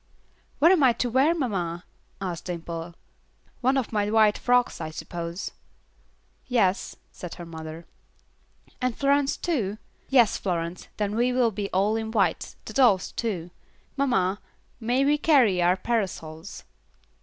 "What am I to wear, mamma?" asked Dimple. "One of my white frocks, I suppose." "Yes," said her mother. "And Florence too? Yes, Florence, then we will all be in white, the dolls too. Mamma, may we carry our parasols?"